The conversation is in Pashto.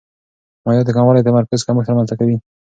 مایعاتو کموالی د تمرکز کمښت رامنځته کوي.